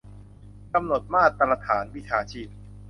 กำหนดมาตรฐานวิชาชีพ